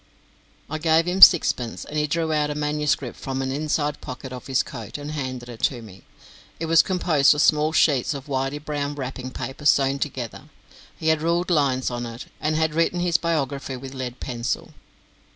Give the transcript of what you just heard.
I gave him sixpence, and he drew out a manuscript from an inside pocket of his coat, and handed it to me. It was composed of small sheets of whitey brown wrapping paper sewn together. He had ruled lines on it, and had written his biography with lead pencil.